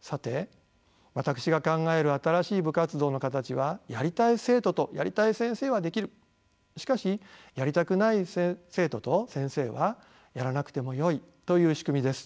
さて私が考える新しい部活動の形はやりたい生徒とやりたい先生はできるしかしやりたくない生徒と先生はやらなくてもよいという仕組みです。